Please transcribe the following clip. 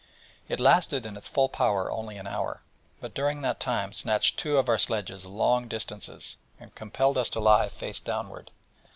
It lasted in its full power only an hour, but during that time snatched two of our sledges long distances, and compelled us to lie face downward.